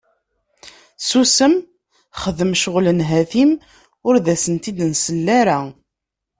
Susem xdem cɣel nhati-m ur d asent-id-nessel ara.